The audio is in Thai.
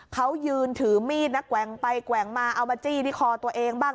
เขายืนถือมีดนะแกว่งไปแกว่งมาเอามาจี้ที่คอตัวเองบ้าง